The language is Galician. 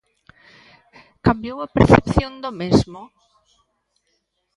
Cambiou a percepción do mesmo?